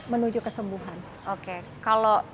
menuju kesembuhan oke kalau